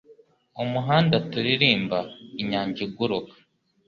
Umuhanda turirimba inyanja iguruka